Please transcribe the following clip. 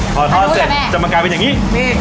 พอทอดเสร็จจะมากลายเป็นอย่างนี้